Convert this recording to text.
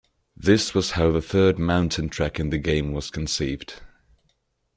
This was how the third mountain track in the game was conceived.